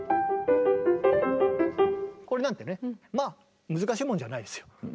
これなんてねまあ難しいもんじゃないですよ。